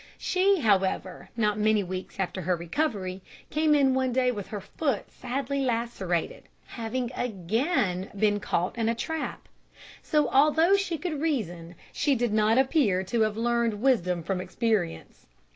She, however, not many weeks after her recovery, came in one day with her foot sadly lacerated, having again been caught in a trap; so, although she could reason, she did not appear to have learned wisdom from experience.